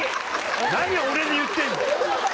何俺に言ってんの。